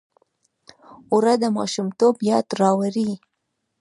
اوړه د ماشومتوب یاد راوړي